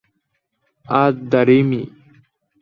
আদ-দারিমি